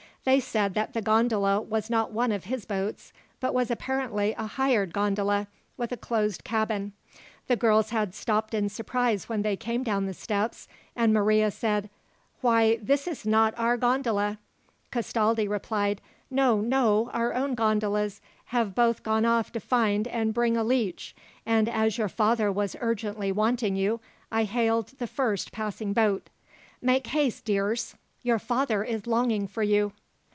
They said that the gondola was not one of his boats, but was apparently a hired gondola, with a closed cabin. The girls had stopped in surprise as they came down the steps, and Maria said, 'Why, this is not our gondola!' "Castaldi replied, 'No, no; our own gondolas had both gone off to find and bring a leech, and as your father was urgently wanting you, I hailed the first passing boat. Make haste, dears, your father is longing for you.'